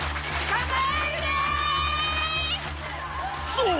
そう！